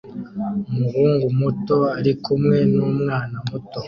Umuhungu muto arikumwe numwana muto